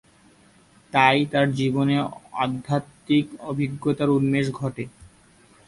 তাই তার জীবনে আধ্যাত্মিক অভিজ্ঞতার উন্মেষ ঘটে।